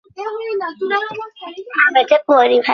আমার থেকে তুমি কি চাও?